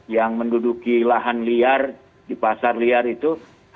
yang menduduki lahan liar di pasar liar itu